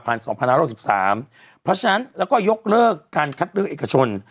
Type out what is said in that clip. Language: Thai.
เพราะฉะนั้นแล้วก็ยกเลิกการคัดเลือกเอกชน